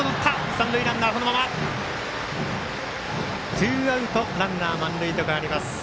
ツーアウト、ランナー満塁と変わります。